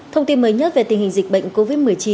thông tin mới nhất về tình hình dịch bệnh covid một mươi chín